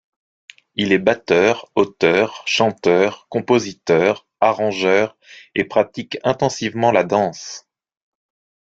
Il est batteur, auteur, chanteur, compositeur, arrangeur, et pratique intensivement la danse.